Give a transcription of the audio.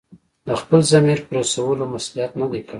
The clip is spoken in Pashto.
د خپل ضمیر په رسولو مصلحت نه دی کړی.